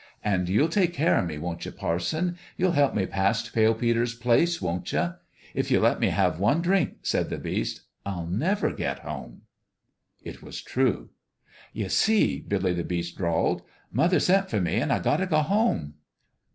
An' you'll take care o' me, won't ye, parson ? You'll help me past Pale Peter's place, won't ye ? If ye let me have one drink," said the Beast, "I'll never get home." It was true. " Ye see," Billy the Beast drawled, " mother sent for me an' I got t' go home."